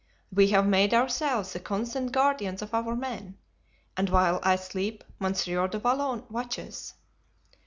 We have made ourselves the constant guardians of our men, and while I sleep Monsieur du Vallon watches."